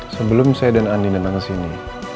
sebelum saya dan andinan kesini